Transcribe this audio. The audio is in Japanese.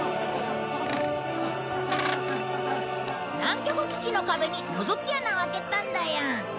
南極基地の壁にのぞき穴を開けたんだよ。